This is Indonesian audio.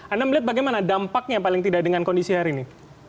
anda melihat bagaimana dampaknya paling tidak dengan kondisi hari ini